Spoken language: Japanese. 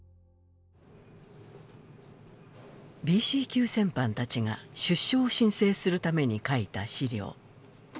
ＢＣ級戦犯たちが出所を申請するために書いた史料。